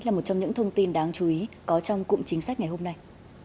là một trong những thông tin đáng chú ý có trong cụm chính sách ngày hôm nay